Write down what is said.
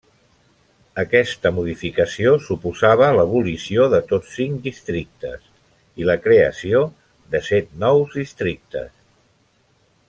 Aquesta modificació suposava l'abolició de tots cinc districtes, i la creació de set nous districtes.